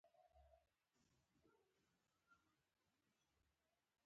د تفسیرونو په اړه رامنځته شوې دي.